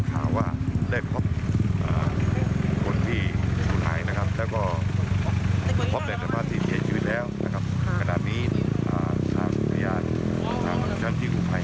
กระด่านนี้อาฆาตมริญญาณทางอุทยานที่กู้ภัย